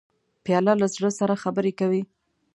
پیاله له زړه سره خبرې کوي.